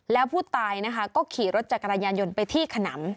แล้วผู้ตายนะคะก็ขี่รถจักรยานยนต์ไปที่ขนำ